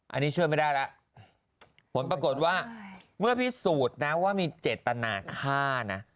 อันนี้ช่วยไม่ได้แล้วผลปรากฏว่าเมื่อพิสูจน์นะว่ามีเจตนาฆ่านะ